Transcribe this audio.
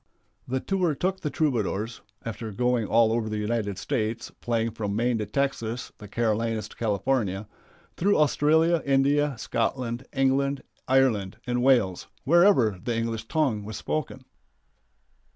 The tour took the Troubadours after going all over the United States, playing from Maine to Texas, the Carolinas to California through Australia, India, Scotland, England, Ireland, and Wales, wherever the English tongue was spoken.